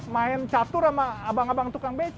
main catur sama abang abang tukang beca